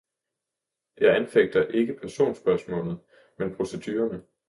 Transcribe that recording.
Jeg anfægter ikke personspørgsmålet, men procedurerne.